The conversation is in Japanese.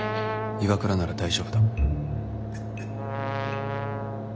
岩倉なら大丈夫だ。